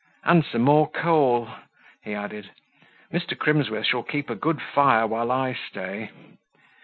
"And some more coal," he added; "Mr. Crimsworth shall keep a good fire while I stay."